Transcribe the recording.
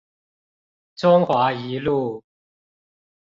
中華一路